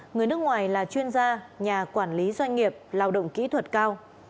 người nước ngoài là chuyên gia nhà quản lý doanh nghiệp lao động kỹ thuật cao